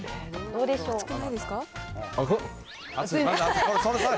どうでしょう。